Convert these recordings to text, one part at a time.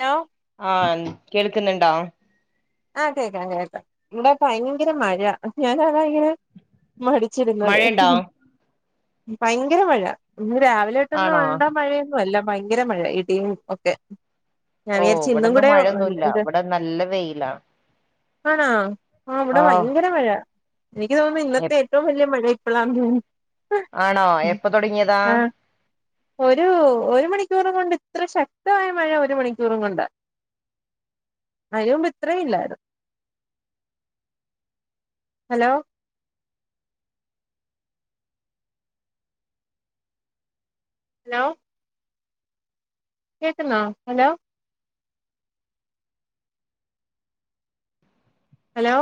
Hello ആഹ കേൾക്കുന്നണ്ടാ ആഹ കേക്കാം കേക്കാം ഇവിടെ ഭയങ്കര മഴ ഞാനാണ താ ങ്ങനെ മടിച്ചിരുന്നത് മഴയുണ്ടോ ഭയങ്കര മഴ ഇ രാവിലോട്ടൊന്നും ആണോ ഉണ്ട മഴയൊന്നും അല്ല ഭയങ്കര മഴ ഇടും ഒക്കെ. ഞാൻ ഓ വിചാരിച്ച് ഇന്നും ഇവിടന്നും കൂടെ മഴയൊന്നുമല്ല ഇവിടെ നല്ല വെയില. ആണാ ആ അവിടെ ആഹ് ഭയങ്കര മഴ എനിക്ക് തോന്നുന്നു. ഇന്നത്തെ എപ് ഏറ്റവും വലിയ മഴ അ ആണോ എപ്പൊ തുടങ്ങിയതാ ആ ഒരു ഒരു മണിക്കൂറും കൊണ്ട് എത്ര ശക്തമായ മഴ ഒരു മണിക്കൂറും കൊണ്ട് [unintelligible] ത്രേം ഇല്ലായിരുന്നു ഹലോ ഹലോ കേക്കുന്നോ. ഹലോ. ഹലോ.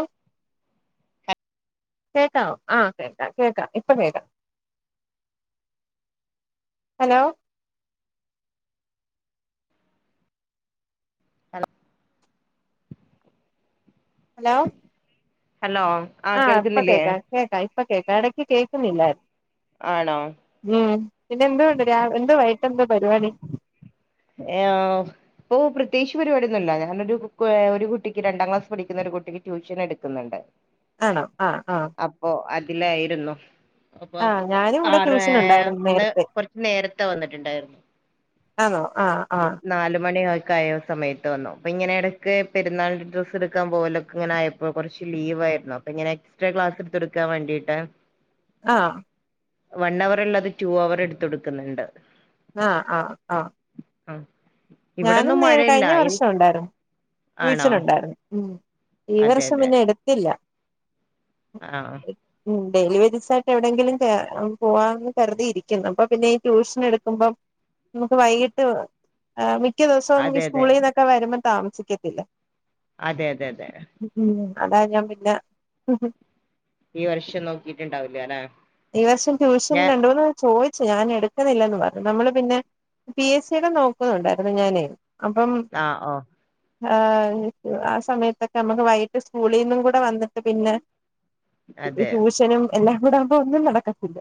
കേക്കാവ ആഹ് കേൾക്കാം. കേക്കാം. ഇപ്പൊ കേൾക്കാം. ഹലോ. ഹലോ. ഹലോ. ഹലോ ആഹ് ആ ഇപ്പ കേൾക്കുന്നില്ലേ കേൾക്ക കേക്കാ ഇപ്പ കേക്ക ഇടയ്ക്ക് കേക്ക പിന്നെ ആണോ എന്തണ്ട് എ [inaudible] എന്താ പരിപാടി ഇപ്പൊ പ്രത്യേകിച്ച് പരിപാടിയൊന്നുല്ലാ. ഞാനൊരു ഒരു കുട്ടിക്ക് രണ്ടാം ക്ലാസ് പഠിക്കുന്ന കുട്ടിക്ക് ട്യൂഷൻ എടുക്കുന്നുണ്ട്. ആണോ ആ ആ ഇല്ലായിരുന്നു. അപ്പൊ ഞാനും ഇവിടെ ആറ് ട്യൂഷൻ ഉണ്ടായിരുന്നു ഇന്ന് നേരത്തെ കൊറച്ച നേരത്തെ വന്നിട്ടുണ്ടായിരുന്നു. ആണോ ആഹ് ആഹ് നാല് മണി സമയത്ത് വന്നു അപ്പൊ ഇങ്ങനെ ഇടക്ക് പെരുന്നാളി ഡ്രസ് എടുക്കാൻ പോലൊക്കെങ്ങനെ ആയപ്പോ കുറച്ച് ലീവ് അപ്പ ഇങ്ങനെ എക്സ്ട്രാ ക്ലാസ് എടുത്ത്ടുക്കാൻ വേണ്ടിയിട്ട് ആ വൺ അവർ ള്ളത് റ്റു അവർ എടുത്ത് കൊടുക്കുന്നുണ്ട്. അ അ അ അ ഞാനും നേ കഴിഞ്ഞ വർഷം ഉണ്ടായിരുന്നു. ആണോ ട്യൂഷനുണ്ടായിരുന്നു ഈ അതെ വർഷം അതെ പിന്നെ എടുത്തില്ല. ആ ഉം ഡെയിലി വരീസ ആയിട്ട് എവിടെയെങ്കിലും പോവാന്ന് കരുതിയിരിക്കുന്നു. അപ്പൊ പിന്നെ ഈ ട്യൂഷൻ എടുക്കുമ്പം നമുക്ക് വൈകിട്ട് മിക്ക ദിവസവും ഈ അതെ അതെ സ്കൂളിൽന്നൊക്കെ വരുമ്പോം താമസിക്കത്തില്ല അതെ അതെ അതെ ഉം അതാ ഞാൻ പിന്നെ ഈ വർഷം നോക്കിട്ടുണ്ടാവലോല്ലെ. ഈ വർഷം ട്യൂഷൻ രണ്ടുന്നു ചോയ് ഞാൻ എടുക്കുന്നില്ലന്ന് പറഞ്ഞു നമ്മള് പിന്നെ പി എസ് സിയുടെ നോക്കുന്നുണ്ടായിരുന്നു ഞാനേ. അ ഒ ആ ആ സമയത്തൊക്കെ നമ്മുക്ക് വൈകിട്ട് സ്കൂളിൽ നിന്നും കൂടെ വന്നിട്ട് പിന്നെ ഈ അതെ ട്യൂഷനും എല്ലാം കൂടെ ആകുമ്പോ ഒന്നും നടക്കത്തില്ല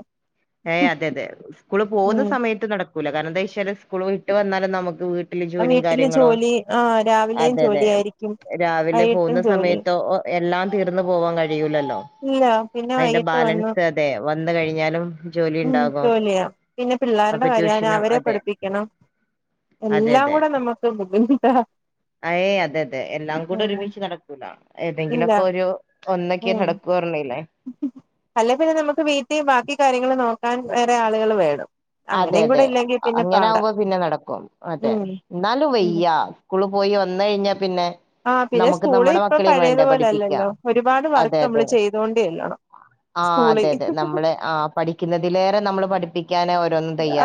ഏയ് അതെ അതെ സ്കൂൾ പോക ഉം സമയത്ത് നടക്കൂല കാരണം എന്താ വെച്ചാല് സ്കൂൾ വിട്ട് വന്നാലും നമുക്ക് വീ ട്ട് ല് ജോലിയും വീട്ടില് കാര്യങ്ങളും ജോലി ആ രാവിലെയും അതെതെ ജോലിയായിരിക്കും രാവിലെ വൈകിട്ടും പോകുന്ന ജോലി സമയത്തോ എല്ലാം തീർന്ന പോവാൻ കഴിയൂല്ലല്ലോ ഇല്ല പിന്നെ അതിന്റെ വൈകിട്ട് വന്ന് ബാലൻസ് അതെ വന്ന കഴിഞ്ഞാലും ജോലി ഉം ഉണ്ടാകും ജോലിയാ പിന്നെ പിള്ളേരുടെ അപ്പൊ കാര്യം ട്യൂഷനും അവരെ അതെ പഠിപ്പിക്കണം അതെ എല്ലാം കൂടെ നമ്മുക്ക് ബുദ്ധിമുട്ടാ അഏയ് അതെ അതെ എല്ലാം കൂടെ ഉം ഒരുമിച്ച് നടക്കൂല ഇല്ല ഏതെങ്കിലുക്കെ ഒരു ഒന്നൊക്കെയ നടക്കുർ ലെ അല്ല പിന്നെ നമുക്ക് വീട്ടിൽ ബാക്കി കാര്യങ്ങൾ നോക്കാൻ വേറെ ആളുകൾ വേണം അതെ അങ്ങനെയും കൂടെ അതെ ഇല്ലെങ്കിൽ പിന്നെ അങ്ങനെ പാടാ ആകുമ്പോ പിന്നെ നടക്കും അതെ ഉം എന്നാലും വയ്യ സ്ക്കൂളിൽ പോയി വ ന്നു കഴിഞ്ഞാൽ പിന്നെ ആ പിന്നെ നമുക്ക് സ്കൂള് നമ്മുടെ ഇപ്പ മക്കളെയും പഴയതു വേണ്ടേ പോലെല്ലല്ലോ പഠിപ്പിക്കാം ഒരുപാട് വർക്ക് അതെ നമ്മള് അതെ ചെയ്തുകൊണ്ടേല്ലണം ആ അതെ അതെ നമ്മള് ആ പഠിക്കുന്നതിലേറെ നമ്മള് പഠിപ്പിക്കാന്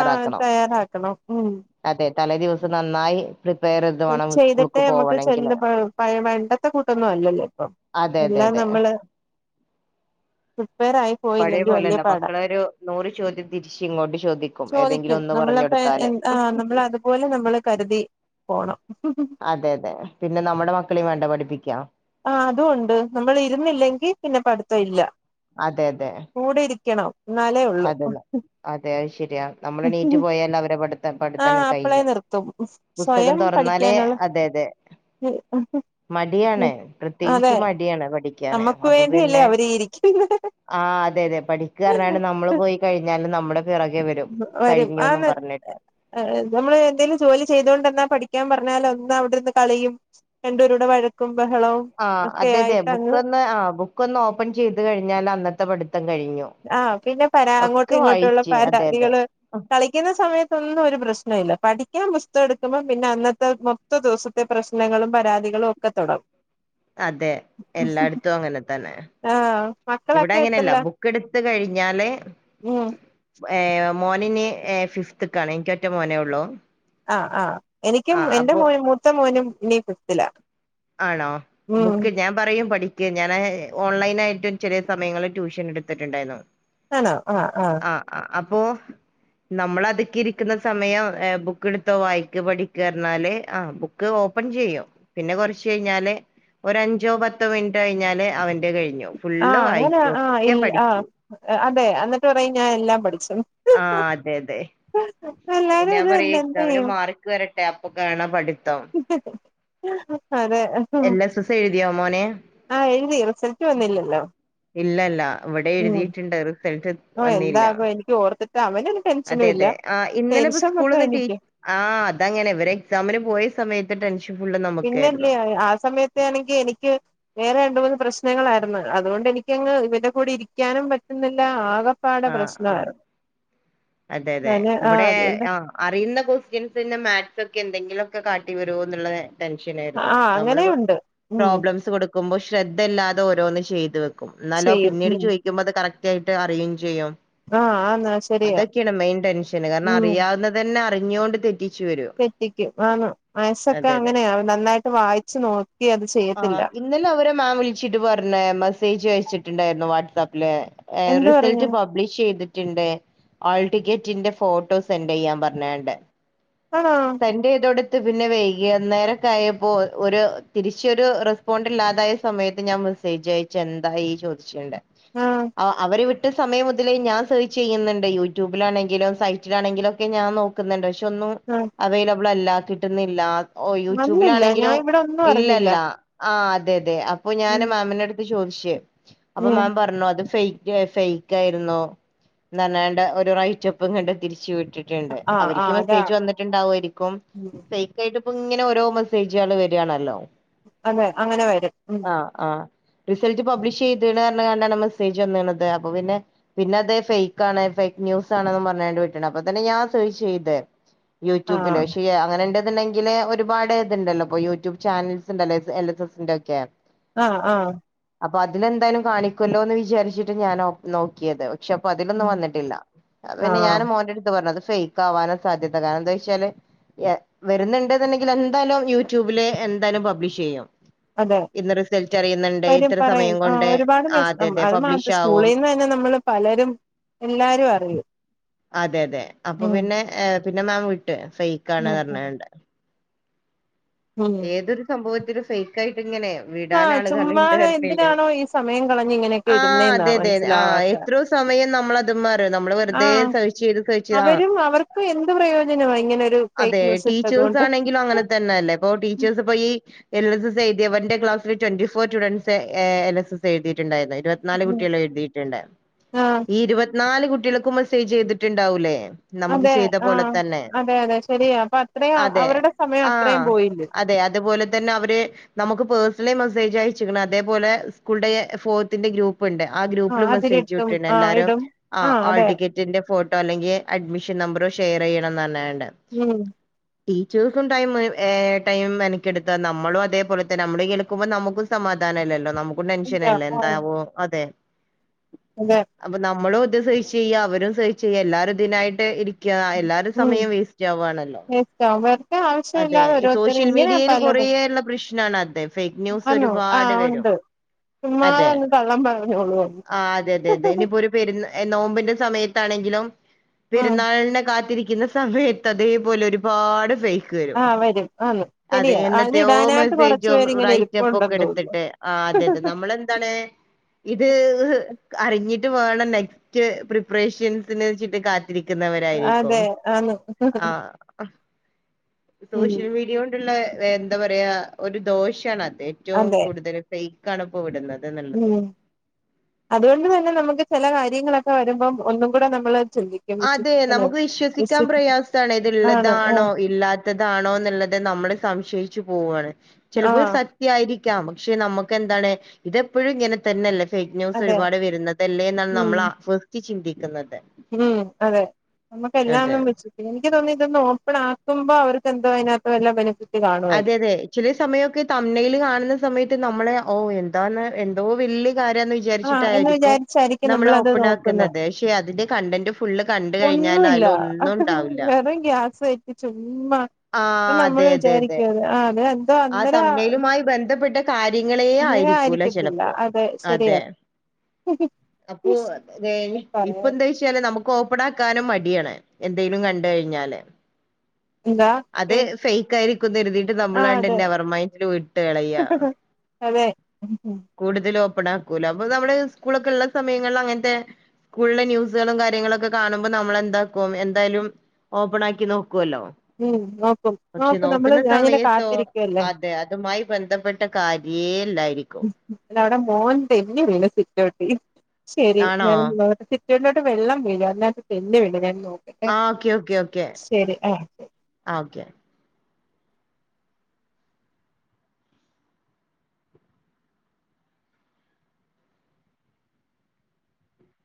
ആ തയ്യാറാക്കണം ഉം അതെ തലേ ദിവസം നന്നായി പ്രിപ്പയർ ചെയ്ത് വേണം ചെയ്തിട്ട് സ്കൂൾക്ക് നമ്മുക്ക് പോവണെങ്കില് ചെന്ന് പയെ പണ്ടത്തെ കൂട്ടൊന്നും അല്ലല്ലോ ഇപ്പൊ അതെ അതെ അതെ ഉ പഴയ പോലെല്ല മക്കള ഒരു നൂറ് ചോദ്യം തിരിച്ച് ഇങ്ങോട്ട് ചോദിക്കും ഏതെങ്കിലും ഒന്ന് പറഞ്ഞോട് ആനമ്മൾ അതുപോലെ നമ്മള് കരുതി പോണം അതെ അതെ പിന്നെ നമ്മുടെ മക്കളും വേണ്ട പഠിപ്പിക്കാ ആ അതും ഉണ്ട് നമ്മൾ ഇരുന്നില്ലെങ്കിൽ പിന്നെ പഠിത്തം ഇല്ല അതെതെ കൂടെ ഇരിക്കണം എന്നാലേ ഉള്ളു അതെ അയ് ശരിയാ നമ്മള് എണിറ്റ് പോയാൽ അവരെ പഠിത്തം പഠിത്തം ആഹ് അപ്പളേ കഴിഞ്ഞു നിർത്തും പുസ്തകം തോറ എന്നാലേ അതെ അതെ ഉം ഉം തന്നെ പ്രത്യേകിച്ചും മടിയാണ് പഠി ക്കാന് നമ്മുക്ക് അപ്പോ വേണ്ടിയല്ലേ പിന്നെ അവര് ഇരിക്കുന്നെ ആ അതെതെ പഠിക്ക കാരണാണ് നമ്മള് പോയി കഴിഞ്ഞാലും നമ്മുടെ പിറകെ വരും വരും കഴിഞ്ഞൂന്നും ആന്ന് പറഞ്ഞിട്ട് നമ്മള് എന്തേലും ജോലി ചെയ്തൊണ്ട്ന്നാ പഠി ക്കാൻ പറഞ്ഞാലൊന്ന് അവിടിരുന്ന് കളിയും രണ്ടുപേരൂടെ വഴക്ക് ആ അതെതെ ബുക്ക് ഒന്ന് ആ ബുക്ക് ഒന്ന് ഓപ്പൺ ചെയ്ത് കഴിഞ്ഞാൽ അന്നത്തെ പഠി ആ പിന്നെ പരാ അങ്ങോട്ടും ഇങ്ങോട്ടുമുള്ള വായിച്ച് അതെ അതെ പരാതികള് കളിക്കുന്ന സമയ ഒന്നും ഒരു പ്രശ്ന ഇല്ല പഠിക്കാൻ പുസ്തടുക്കുമ്പോ പിന്നെ അന്നത്തെ മൊത്ത ദിവസത്തെ പ്രശ്നങ്ങളും പരാതി കളും ഒക്കെ തൊടങ്ങും അതെ എല്ലാടത്തും അങ്ങനെ തന്നെ ആഹ് ഇവിടെ മക്കളൊക്കെ അങ്ങനെയല്ല എത്രല്ല ബുക്ക് ഇടു ത്ത് കഴിഞ്ഞാലേ ഉം ഏ മോനന് ഫിഫ്ത്ത്ക്കാണ് എക്ക് ഒറ്റ മോനേ ഉള്ളൂ ആ ആ എനിക്കും ആഹ് എന്റെ അപ്പൊ മോനും മൂത്ത മോനും ഇനി ഫിഫ്ത്തിലാ ആണോ ഉം ബുക്ക് ഞാൻ പറയും പഠി ഞാന് ഓൺലൈനായിട്ട് ഒരു ചെറിയ സമയങ്ങളിൽ ട്യൂഷൻ എടുത്തിട്ടുണ്ടായിരുന്നു ആണോ ആ ആ അപ്പോ നമ്മള അതക്ക് ഇരിക്കുന്ന സമയം ബുക്ക്‌ എടുത്തോ വായിക്കോ പഠിക്കോ പർനാല് ആ ബുക്ക് ഓ ഓപ്പൺ ചെയ്യും പിന്നെ കൊറച്ച് കഴിഞ്ഞാല് ഒരു അഞ്ചോ പത്തോ മിനിറ്റോ കഴിഞ്ഞാല് അവന്റെ കഴിഞ്ഞു ആ ഫുള്ള് അങ്ങനെ വായിച്ചു ആ ഒക്കെ ഇൽ ആ പഠിച്ചു അതെ അന്നിട്ട് പറയും ഞാൻ എല്ലാം പഠിക്കും ആ അതെതെ എല്ലാരും ഞാൻ ഇത് തന്നെ എന്ത് പറയെക്സാമിന് ചെയ്യും മാർക്ക് വരട്ടെ അപ്പോ കാണാ പഠിപ്പ് അതെ എന്നെസസ് എഴുതിയോ മോന് ആഹ് എഴുതി റിസൾട്ട് വന്നില്ലല്ലോ ഇല്ലല്ല ഇവിടെ ഉം എഴുതീട്ട്ണ്ട് റിസൾട്ട്‌ ഓഹ് വന്നീല്ല എന്താകും എനിക്ക് ഓർത്തിട്ട് അവനൊരു അതെ ടെൻഷനും ഇല്ല അതെ ആ ഇന്നലെപ്പോ ടെൻഷൻ മൊത്തം സ്കൂളന്ന് ടീ എനിക്ക് ആ അതങ്ങനെ ഇവരെക്സാമിന് പോയ സമയത്ത് ടെൻഷൻ ഫുള്ള് നമുക്കായിരുന്നു സമയത്ത് ആണെങ്കി എനിക്ക് വേറെ രണ്ടൂന്ന് പ്രശ്നങ്ങളാരുന്ന് അതുകൊണ്ട് എനിക്കങ്ങ് ഇവന്റെ കൂടി ഇരിക്കാനും പറ്റുന്നില്ല ആകപ്പാടെ ആഹ് ആഹ് പ്രശ്നവാരുന്നു അതെ അതെ ഇവിടെ ആ അറിയുന്ന ക്വസ്റ്റ്യൻസിന് മാത്‍സ് ഒക്കെ എന്തെങ്കിലും ഒക്കെ കാട്ടി വരോന്നുള്ള ടെൻഷൻ ആയിരുന്നു ആ നമ്മള് അങ്ങനെയുണ്ട് ഉം പ്രോബ്ലെംസ് കൊടു ക്കുമ്പോ ശ്രദ്ധല്ലാതെ ഓരോന്ന് ചെയ്ത് വെക്കും എന്നാലോ ചെയ്യും പിന്നീട് ഉം ചോയ്ക്കുമ്പോ അത് കറക്റ്റായിട്ട് അറിയു ആ ആന്ന് ശരിയാ അതൊക്കെയാണ് മെയിൻ ടെൻഷന് കാരണം ഉം അറിയാവുന്നത് തന്നെ അറിഞ്ഞുകൊണ്ട് തെറ്റ് തെറ്റിക്കും ആന്ന് മാത്‍സ്സക്കെ അതെ അങ്ങനെയാ നന്നായിട്ട് വായിച്ചു നോക്കി അത് ആ ചെയ്യത്തില്ല ഇന്നലെ അവരെ മാം വിളിച്ചിട്ട് പറഞ്ഞ് മെസ്സേജ് അയച്ചിട്ട്ണ്ടായിരുന്നു വാട്സ്ആപ്പില്ക്കെ ഏ എന്ത് റിസൾട്ട് പറഞ്ഞ് പബ്ലിഷ് ചെയ്തി ട്ടിണ്ട് ആൾടിക്കറ്റിന്റെ ഫോട്ടോ സെന്റെയ്യാൻ പറഞ്ഞാണ്ട് ആണോ സെന്റെയ്തോടത്ത് പിന്നെ വൈകിന്നേരൊക്കെ ആയപ്പോ ഒര് ച്ചോരു റെസ്പോണ്ട് ഇല്ലാതായ സമയത്ത് ഞാൻ മെസ്സേജ് അയച്ച് എന്തായി ചോദിച്ചോണ്ട് ആ അവരെ വി വിട്ടസമയം മുതലെ ഞാൻ സെർച്ച്‌ ചെയ്യുന്നുണ്ട് യൂട്യൂബിലാണെങ്കിലും സൈറ്റിലാണെങ്കിലും ഒക്കെ ഞാ നോക്കുന്നുണ്ട് പക്ഷെ സൈറ്റ് ഒന്നും ആ അവൈലബിൾ അല്ല കിട്ടുന്നില്ല ഓ വന്നില്ല ഞാൻ യൂട്യൂബിലാണെങ്കിലും ഇവിടെ ഒന്നും ഇല്ല അറിഞ്ഞില്ല ല്ലാ ആ അതെ അതെ അപ്പോ ഞാന് ഉം മാമിന്റെ അടുത്ത് ചോദിച്ചേ അപ്പോ ഉം മാം പറഞ്ഞു അത് ഫേക്ക ഫേക്കായിരുന്നു എന്നുപറഞ്ഞട് ഒരു റൈറ്റപ്പുംങ്ങണ്ട് തിരിച്ചു വി ട്ടിട്ടുണ്ട് ആ അവര് ആ ക്ക് അതാ മെസേജ് വന്നിട്ടുണ്ടാവാരിക്കും ഉം ഫേ ഇപ്പ ഇങ്ങനെ ഓരോ മെസ്സേജുകള് വരുവാണല്ലോ. അതെ അങ്ങനെ വരും. ഉം ആഹ് റിസൾട്ട് പബ്ലിഷ് ചെയ്ത്ണ് റഞ്ഞാണ്ടാണ് മെസ്സേജ് വന്നേണത് അപ്പൊ പിന്നെ പിന്നെ അത് ഫേക്കാണ്. ഫേക്ക്ന്യൂസാണെന്നും പറഞ്ഞാണ്ട് വിട്ടേണ്. അപ്പൊ തന്നെ ഞാൻ [unintelligible] യിചൈതെ ആ യൂട്യൂബില്. പക്ഷെ അങ്ങനെ ഉണ്ടെന്നുണ്ടെങ്കില് ഒരുപാട് ഇതുണ്ടല്ലോ. ഇപ്പൊ യൂട്യൂബ് ചാനൽസ് എൽ എസ് എസിന്റെ ഒക്കെ ആ ആ അപ്പൊ അതിനെന്തായാലും കാണിക്കല്ലോ എന്ന് വിചാരിച്ചിട്ട് ഞാൻ നോക്കിയത്. പക്ഷെ അപ്പൊ അതിലൊന്നും ഉം വന്നിട്ടില്ല. അത് പിന്നെ ആഹ് ഞാൻ മോന്റെ അടുത്ത് പറഞ്ഞു ഫേക്ക് ആവാനാ സാധ്യത. കാരണം എന്താ വെച്ചാല് വരുന്നുണ്ടെന്നുണ്ടെങ്കിൽ എന്തായാലും യൂട്യൂബില് എന്തായാലും പബ്ലിഷ് ചെയ്യും. അതെ ഇന്ന് റിസൾറ്റ് അറിയുന്നുണ്ട്. വരും ഇത്ര പറയും സമയം ആഹ് കൊണ്ട് ഒരുപാട് ആ മെസ് അതെ അതെ അത് പബ്ലിഷ് മാത്രം ആകും സ്കൂളീന്ന് തന്നെ നമ്മള് പലരും എല്ലാരും അറിയും. അതെ അതെ. അപ്പൊ ഉം പിന്നെ പിന്നെ മാം വിട്ട്. ഫേക്ക് ഉം ആണെന്ന് പറഞ്ഞാണ്ട്. ഉം ഉം ഏതൊരു സംഭവത്തിലും ഫേക്ക് ആയിട്ട് ഇങ്ങനേ വിടാൻ ആഹ് ആളുകള് ചുമ്മാതെ ഇണ്ടെന്നറിഞ്ഞില്ലേ എന്തിനാണോ ഈ സമയം കളഞ്ഞ് ഇങ്ങനെയൊക്കെ ആ ഇടുന്നേന്നാ അതെതെ ആ മനസ്സിലാവാത്തെ എത്രയോ സമ സമയം നമ്മളതുമ്മാരെ നമ്മള് വെറുതെ ആഹ് സഹിച്ച് ഇത് സഹിച്ച് ആ അവരും അവർക്കും എന്ത് പ്രയോജനവാ ഇങ്ങനൊരു ഫേക്ക് അതെ ന്യൂസ് ഇട്ടത് ടീച്ചേഴ്സ് കൊണ്ട് ആണെങ്കിലും അങ്ങനെ തന്നെ അല്ലേ. ഇപ്പൊ ടീച്ചേഴ്സ് ഇപ്പോ ഈ എൽ എസ് എസ് എഴുതിയവൻ്റെ ക്ലാസില് twenty four students L S S എഴുതിയട്ടുണ്ടായിരുന്നു. ഇരുപത്തിനാല് ഉം കുട്ടികള് എഴുതിയിട്ടുണ്ട്. ആഹ് ഈ ഇരുപത്തിനാല് കുട്ടികൾക്ക് മെസ്സേജ് ചെയ്തിട്ടുണ്ടാവൂല്ലേ. നമുക്ക് അതെ ചെയ്ത പോലെ ആഹ് തന്നെ അതെ അതെ ശരിയാ അപ്പൊ അത്രയും അതെ അവരുടെ സമയം ആ അത്രയും പോയില്ലേ അതെ അതുപോലെ തന്നെ അവര് നമുക്ക് പേഴ് സണലി മെസേജ് അയച്ചെക്കണ്. അതേപോലെ സ്കൂൾടെ ഫോർത്തിന്റെ ഗ്രൂപ്പ് ണ്ട് ആ ആഹ് ഗ്രൂപ്പിലും മെസ്സേജ് അതിലിട്ടും വിട്ടണ്ട്. ആഹ് എല്ലാരും ഇടും ആഹ് ഹോൾ അതെ ടിക്കറ്റിന്റെ ഫോട്ടോ അല്ലെങ്കി അഡ്മിഷൻ നമ്പറോ ഷെയർ ചെയ്യണന്ന് പറഞ്ഞ് ഉം ടീച്ചേഴ്സും ടൈമ് ഏ ടൈം മെനക്കെടുത്താ നമ്മള് അതേപോലെ തന്നെ നമ്മള് കേൾക്കുമ്പോ നമുക്കും സമാധാനം ഇല്ലല്ലോ നമു ക്കും ഇല്ല ടെൻഷനല്ലേ ആഹ് എന്താവോ അതെ അതെ അപ്പൊ നമ്മളും ഇത് സഹിച്ച് ചെയ്യാ. അവരും സഹിച്ച് ചെയ്യാ എല്ലാരും ഇതിനായിട്ട് ഇരി ക്കാ എല്ലാരുടെ ഉം സമയോം വേസ്റ്റ് ആവാണല്ലോ. വെറുതെ അതെ ആവശ്യമില്ലാതെ ഓരോരുത്തർ സോഷ്യൽ ഇങ്ങനെ മീഡിയയില് കൊറേ പലതും ഉള്ള പ്രശ്നാണ് അത്. ഫേക്ക് ന്യൂസ് ആന്നോ ഒരുപാട് ആഹ് വരും. ഉണ്ട് ചുമ്മാതെ അതെ അങ്ങ് കള്ളം പറഞ്ഞോളുവാന്ന് ആഹ് അതെ അതെ അതെ ഇനിപ്പോ ഒരു പെരുന്ന നോമ്പിന്റെ സമയ ത്താണെങ്കിലും ആഹ് പെരുന്നാളിനെ കാത്തിരിക്കുന്ന സമയത്ത് അതേപോലെ ഒരുപാട് ഫേക്ക് ക്ക് വരും. ആഹ് ആന്ന് അതെ ശരിയാ അത് എന്നത്തെയോ ഇടാനായിട്ട് കൊറച്ചു മെസേജോ പേരിങ്ങനെ റൈറ്റപ്പൊക്കെ ഇരിപ്പുണ്ടെന്ന് തോന്നുന്നു എടുത്തിട്ട് അതെ അതെ നമ്മളെന്താണ് ഇത് അറിഞ്ഞി ട്ട് വേണം നെസ്റ്റ് പ്രിപ്പറേഷൻ സ്ന്ച്ചിട്ട് കാ ത്തിരിക്കുന്നവരായിരിക്കും അതെ ആന്ന് ആഹ് ഉം സോഷ്യൽ മീഡിയ കൊണ്ടുള്ള എന്ത പറയാ ഒരു ദോഷാണത്. ഏറ്റവും അതെ കൂടുതൽ ഫേക്കാണ് ഇപ്പോ വിടുന്നത് എന്നുള്ളത് ഉം അതുകൊണ്ട് തന്നെ നമുക്ക് ചില കാര്യങ്ങളൊക്കെ വരുമ്പം ഒന്നും കൂടെ നമ്മള് ചിന്തിക്കും അതെ വിശ്വസിക്കണ നമുക്ക് വിശ്വസിക്കാൻ വിശ്വ പ്രയാസാണ് ആണ് ഇത്ള്ളതാണോ ആഹ് ഇല്ലാത്തതാണോ എന്നുള്ളത് നമ്മുടെ സംശയ് ച്ച് പോവാണ്. ചിലപ്പോ ആഹ് സത്യായിരിക്കാം പക്ഷെ നമുക്ക് എന്താണ് ഇതെപ്പോഴും ഇങ്ങനെ തന്നെല്ലെ ഫേക്ക് ന്യൂസ് അതെ ഒരുപാട് വരുന്നതല്ലേ എന്നാണ് ഉം നമ്മള് ഫസ്റ്റ്ചിന്തിക്കുന്നത്. ഉം അതെ നമുക്ക് എല്ലാം ഒന്നും വ [unintelligible] എനിക്ക് തോന്നുന്നു ഇതൊന്ന് ഓപ്പൺ ആക്കുമ്പോ അവർ ക്ക് എന്തോ അതിനകത്ത് വെല്ല ബെനഫിറ്റ് അതെ അതെ ചില സമയൊക്കെ തംനെയില് കാണുന്ന സമയത്ത് നമ്മളെ ഓഹ് എന്താണ് എന്തോ വല്യ ആഹ് എന്ന് വിജാരിച്ചിട്ടായിരിക്കും വിചാരിച്ചായിരിക്കും നമ്മളാ നമ്മളത് നോക്കുന്നത് ഓപ്പണാക്ക്ന്നത് പക്ഷെ അതിന്റെ കണ്ടന്റും ഫുള്ള്കണ്ട് ഒന്നുമില്ല കഴിഞ്ഞാലയിലൊന്നുണ്ടാവില്ല ഇമ്മ അപ്പൊ നമ്മള് അതെ അതെ അതെ വിചാരിക്കും ആഹ് അത് എന്തോ ആ അന്നെര തമ്മയിലുമായി ബന്ധപ്പെട്ട കാര്യങ്ങളേ ആയിരിക്കൂല ചെലപ്പൊ അതെ അതെ ശരിയാ അപ്പൊ വേ പറയാ ന്തേച്ചാല് നമുക്ക് ഓപ്പണാക്കാനും മടിയാണ് എന്തേലും കണ്ട് കഴിഞ്ഞാല് എന്താ അത് കേ ഫെയ്ക്ക ആയി കരുതീട്ട് ആ നമ്മളണ്ട് അതെ നെവർ മൈന്റില് വിട്ട് കളയ അതെ ഉം കൂടുതല് ഓപ്പണാക്കൂല അപ്പൊ നമ്മള് സ്കൂളൊക്കെള്ള സമയങ്ങളിലങ്ങൻത്തെ സ്കൂളിലെ ന്യൂസ്കളും കാര്യങ്ങളൊക്കെ കാണുമ്പൊ നമ്മളെന്താക്കും എന്തായാലും ഓപ്പണാക്കി നോക്ക ല്ലോ നോക്കും പക്ഷെ നോക്കും നമ്മള് നോക്ക്ന്ന ഞാനിങ്ങനെ സമയത്തോ കാത്തിരിക്കുവല്ലേ അതെ അതുമായി ബന്ധപ്പെട്ട കാര്യേല്ലായിരിക്കും ല്ലവടെ മോൻ തെന്നി വീണ് സിറ്റൗട്ടിൽ ശരി ആണോ ഞാനൊ സിറ്റൗട്ടിലോട്ട് വെള്ളം വീണ് അന്നേരം തെന്നി വീണ് ആ ഓക്കെ ഓക്കെ ഓക്കെ ശരി ആഹ് ആ ഓക്കെ